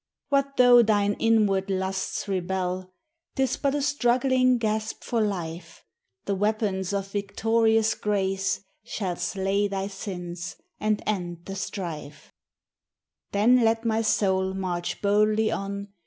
4 What tho' thine inward lusts rebel, »Tis but a strugaling gasp for Me; The wea|K>ns of victorious grace Shall slay thy sins, and end the strue.j 5 Then let my soul march boldly on.